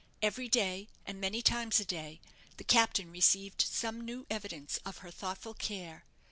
Every day, and many times a day, the Captain received some new evidence of her thoughtful care.